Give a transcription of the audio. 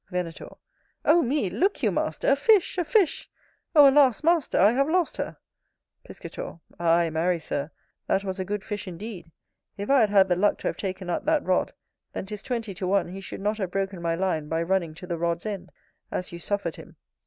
Venator. Oh me! look you, master, a fish! a fish! Oh, alas, master, I have lost her. Piscator. Ay marry, Sir, that was a good fish indeed: if I had had the luck to have taken up that rod, then 'tis twenty to one he should not have broken my line by running to the rod's end, as you suffered him.